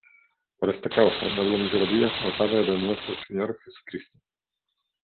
Por esta causa doblo mis rodillas al Padre de nuestro Señor Jesucristo,